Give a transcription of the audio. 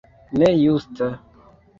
Ne justa!